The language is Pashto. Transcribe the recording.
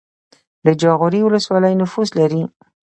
د جاغوری ولسوالۍ نفوس لري